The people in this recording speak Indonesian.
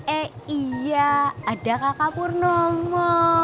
eh iya ada kakak purnomo